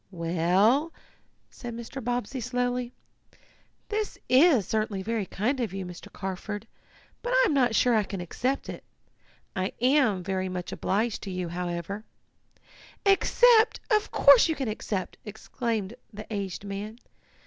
"Well," said Mr. Bobbsey slowly, "this is certainly very kind of, you, Mr. Carford, but I am not sure I can accept it. I am very much obliged to you, however " "Accept! Of course you can accept!" exclaimed the aged man.